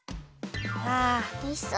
おいしそう！